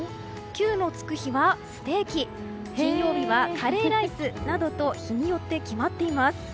９のつく日はステーキ金曜日はカレーライスなどと日によって決まっています。